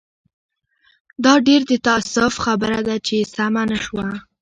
دا ډېر د تاسف خبره ده چې سمه نه شوه.